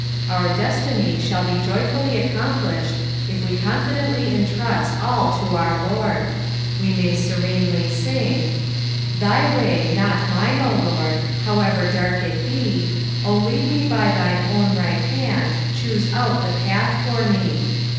Our destiny shall be joyfully accompliBbed if we conQdently entrust all to our Lord, Wo ida; serenely sing —" Thy way, not mine, 0 Lord, However dark It be ; 0 lead me by tlilne own rl^ht hud, Choose ont the path for me.